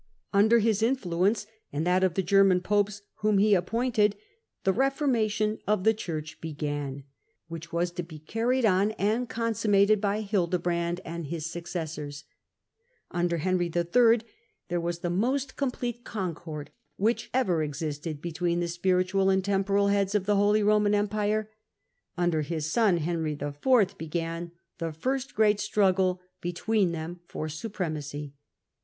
Under his influ ence, and that of the German popes whom he appointed, die reformation of the Church began, which was to be Digitized by VjOOQIC / 4 HiLDRBRAND carried on and consummated by Hildebrand and his successors. Under Henry III. there was the most com plete concord which ever existed between the spiritual and temporal heads of the Holy Roman Empire. Under his son Henry IV. began the first great struggle be tween them for supremacy.